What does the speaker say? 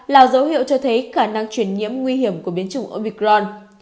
là dấu hiệu cho thấy khả năng chuyển nhiễm nguy hiểm của biến chủng omicron